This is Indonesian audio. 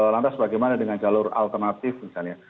lantas bagaimana dengan jalur alternatif misalnya